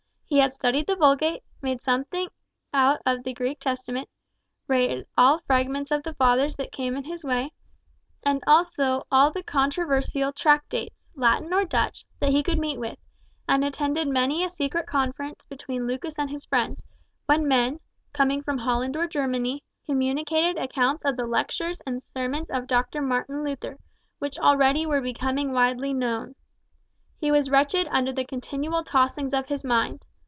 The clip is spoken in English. He had studied the Vulgate, made out something of the Greek Testament, read all fragments of the Fathers that came in his way, and also all the controversial "tractates," Latin or Dutch, that he could meet with, and attended many a secret conference between Lucas and his friends, when men, coming from Holland or Germany, communicated accounts of the lectures and sermons of Dr. Martin Luther, which already were becoming widely known. He was wretched under the continual tossings of his mind.